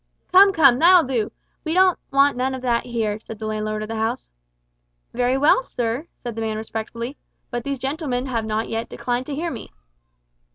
'" "Come, come, that'll do. We don't want none of that here," said the landlord of the house. "Very well, sir," said the man respectfully, "but these gentlemen have not yet declined to hear me."